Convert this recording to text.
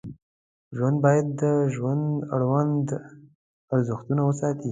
ژوند باید د ژوند اړوند ارزښتونه وساتي.